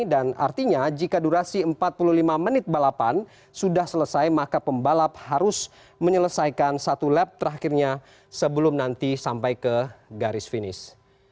dan artinya jika durasi empat puluh lima menit balapan sudah selesai maka pembalap harus menyelesaikan satu lap terakhirnya sebelum nanti sampai ke garis finish